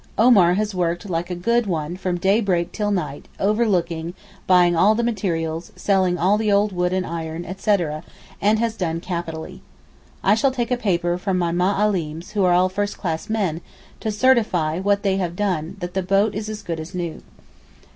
Omar has worked like a good one from daybreak till night, overlooking, buying all the materials, selling all the old wood and iron, etc., and has done capitally. I shall take a paper from my Ma allims who are all first class men, to certify what they have done and that the boat is as good as new.